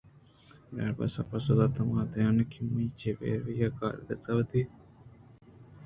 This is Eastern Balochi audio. بناربسءَ پسو دات ہما دمان ءَ کہ من چہ بیواریو ءِ کار گس ءَ پہ واتری درکپتاں گڑا من دیست کہ یک مردے ہمے برانڈہ ءَ ایوک ءَ پیداک اِنت